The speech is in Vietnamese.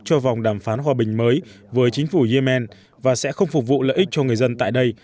cho vòng đàm phán hòa bình mới với chính phủ yemen và sẽ không phục vụ lợi ích cho người dân tại đây